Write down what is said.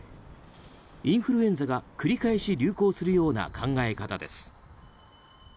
インフルエンザが繰り返し流行するような考え方です。